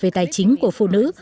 về tài chính của phụ nữ